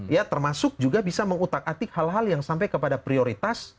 ya termasuk juga bisa mengutak atik hal hal yang sampai kepada prioritas